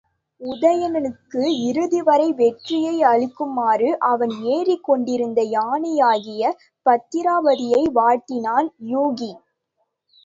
உதயணனுக்கு இறுதிவரை வெற்றியை அளிக்குமாறு அவன் ஏறிக் கொண்டிருந்த யானையாகிய பத்திராபதியை வாழ்த்தினான் யூகி.